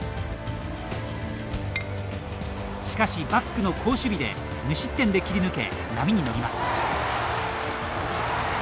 しかしバックの好守備で無失点で切り抜け波に乗ります。